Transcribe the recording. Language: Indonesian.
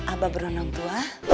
abah berondong tua